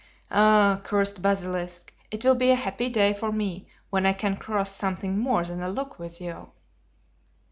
Ah, cursed basilisk, it will be a happy day for me when I can cross something more than a look with you."